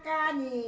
saya rajin menabung